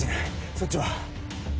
そっちは？